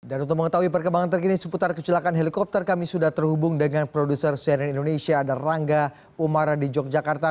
dan untuk mengetahui perkembangan terkini seputar kecelakaan helikopter kami sudah terhubung dengan produser cnn indonesia ada rangga umara di yogyakarta